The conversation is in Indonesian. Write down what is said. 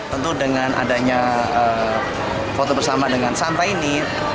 tentu dengan adanya foto bersama dengan santa ini